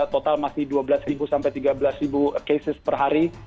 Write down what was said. total masih dua belas sampai tiga belas cases per hari